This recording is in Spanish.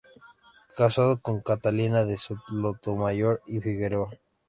Casado con Catalina de Sotomayor y Figueroa.